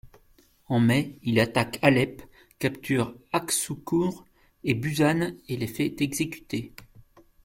En mai-, il attaque Alep, capture Aq Sunqur et Buzan et les fait exécuter.